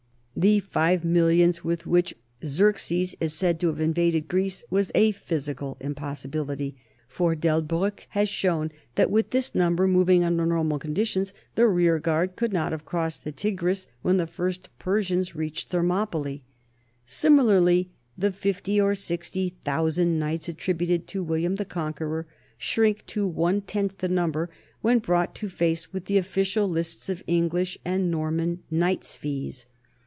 The five millions with which Xerxes is said to have invaded Greece are a physical impossibility, for Delbriick has shown that, with this number moving under normal conditions, the rear guard could not have crossed the Tigris when the first Persians reached Thermopylae. Similarly the fifty or sixty thousand knights attributed to William the Conqueror shrink to one tenth the num ber when brought to face with the official lists of Eng lish and Norman knights' fees.